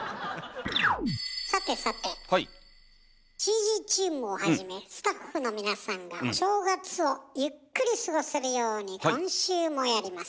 ＣＧチームをはじめスタッフの皆さんがお正月をゆっくり過ごせるように今週もやります。